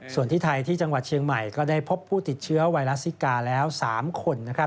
ส่วนที่ไทยที่จังหวัดเชียงใหม่ก็ได้พบผู้ติดเชื้อไวรัสซิกาแล้ว๓คน